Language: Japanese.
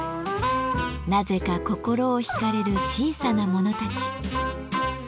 なぜか心を引かれる小さなものたち。